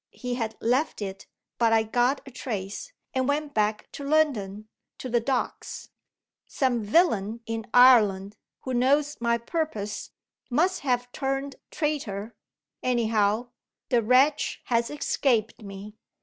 He had left it; but I got a trace, and went back to London to the Docks. Some villain in Ireland, who knows my purpose, must have turned traitor. Anyhow, the wretch has escaped me.